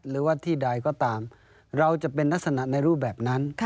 หรือว่าที่ใดก็ตามเราจะเป็นลักษณะในรูปแบบนั้น